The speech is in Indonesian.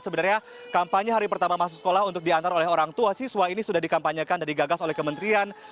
sebenarnya kampanye hari pertama masuk sekolah untuk diantar oleh orang tua siswa ini sudah dikampanyekan dan digagas oleh kementerian